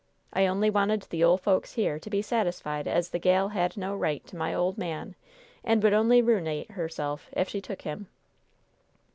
I only wanted the ole folks here to be satisfied as the gal had no right to my ole man, and would only ruinate herself, if she took him."